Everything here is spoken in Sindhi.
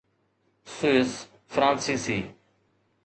سوئس فرانسيسي